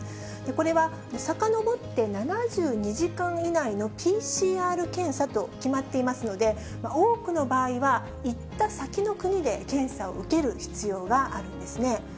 これはさかのぼって７２時間以内のＰＣＲ検査と決まっていますので、多くの場合は、行った先の国で検査を受ける必要があるんですね。